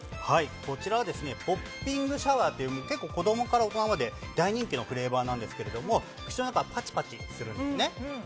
こちらはポッピングシャワーという結構、子供から大人まで大人気のフレーバーなんですが口の中がパチパチするんですね。